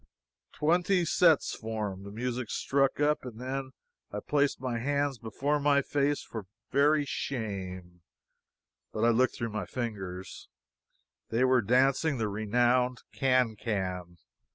Twenty sets formed, the music struck up, and then I placed my hands before my face for very shame. But I looked through my fingers. They were dancing the renowned "Can can."